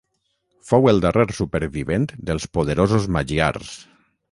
Fou el darrer supervivent dels poderosos magiars.